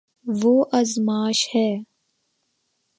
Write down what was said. وہ ازماش ہے